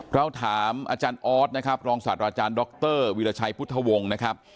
เราถามอาจารย์ออสนะครับรองศาสตราจารย์ดรวิราชัยพุทธวงศ์นะครับ